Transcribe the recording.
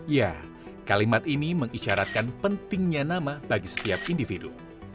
ya kalimat ini mengisyaratkan pentingnya nama bagi setiap individu